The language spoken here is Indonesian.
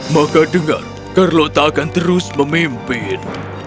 maka dengar carlota akan terus memimpin